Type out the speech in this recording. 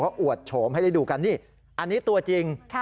อวดโฉมให้ได้ดูกันนี่อันนี้ตัวจริง